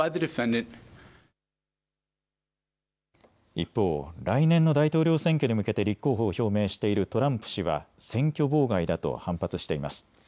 一方、来年の大統領選挙に向けて立候補を表明しているトランプ氏は選挙妨害だと反発しています。